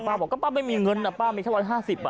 บอกว่าป้าไม่มีเงินนะป้ามีแค่๑๕๐บาท